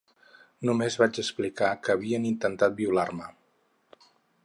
Només vaig explicar que havien intentat violar-me.